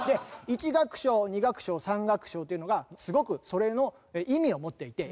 １楽章２楽章３楽章というのがすごくそれの意味を持っていて。